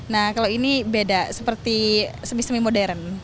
nah kalau ini beda seperti semi semi modern